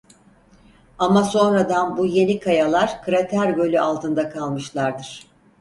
Ama sonradan bu yeni kayalar krater gölü altında kalmışlardır.